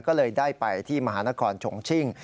ก็เลยได้ไปที่มหานครชงชิ่ง